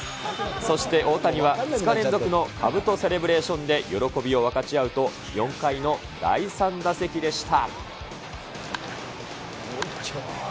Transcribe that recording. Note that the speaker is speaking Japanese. そして大谷は２日連続のかぶとセレブレーションで喜びを分かち合うと、４回の第３打席でした。